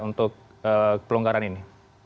untuk pelonggaran ini